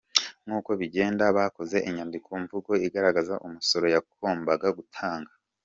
Nk’uko bigenda, bakoze inyandiko mvugo igaragaza umusoro yagombaga gutanga.